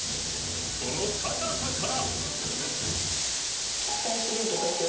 その高さから。